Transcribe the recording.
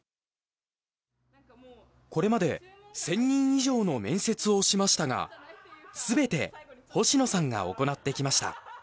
これまで１０００人以上の面接をしましたが全て星野さんが行ってきました。